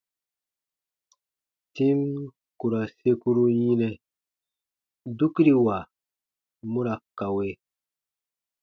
Tim ku ra sekuru yinɛ, dukiriwa mu ra kawe.